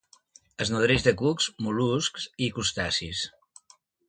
Es nodreix de cucs, mol·luscs i crustacis.